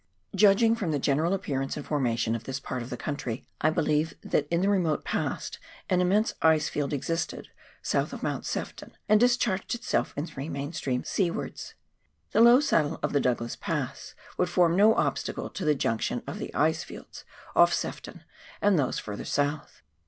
Judging from the general appearance and formation of this part of the country, I believe that in the remote past an immense ice field existed south of Mount Sefton, and discharged itself in three main streams seawards. The low saddle of the Douglas Pass would form no obstacle to the junction of the ice fields ofE Sefton and those further south.